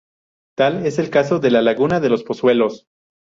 Tal es el caso de la laguna de los Pozuelos.